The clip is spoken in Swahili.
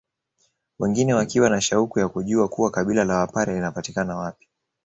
Wengine wakiwa na shauku ya kujua kuwa kabila la wapare linapatikana wapi